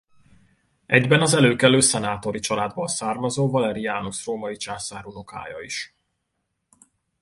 Egyben az előkelő szenátori családból származó Valerianus római császár unokája is.